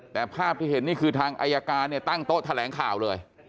แต่ภาพที่เห็นนี่คือทางอายการเนี่ยตั้งโต๊ะแถลงข่าวเลย